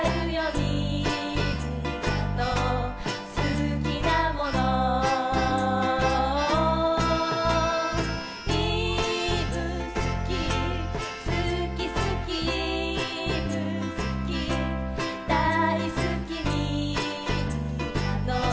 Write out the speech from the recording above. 「みんなのすきなもの」「いぶすきすきすき」「いぶすきだいすき」「みんなの」